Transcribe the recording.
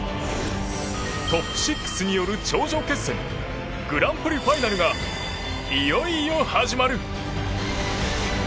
トップ６による頂上決戦グランプリファイナルがいよいよ始まる。